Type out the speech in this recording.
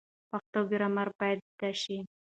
پښتو ګرامر باید زده شي.